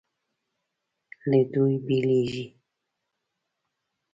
له دوی بېلېږي.